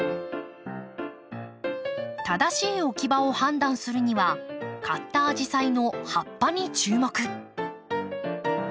正しい置き場を判断するには買ったアジサイの葉っぱに注目。